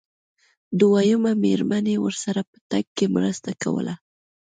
دويمې مېرمنې ورسره په تګ کې مرسته کوله.